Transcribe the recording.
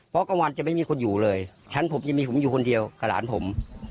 เพราะกลางวันจะไม่มีคนอยู่เลยชั้นผมยังมีผมอยู่คนเดียวกับหลานผม